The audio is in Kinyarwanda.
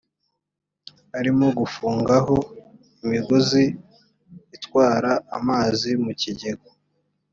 arimo gufungaho imigozi itwara amazi mu kigega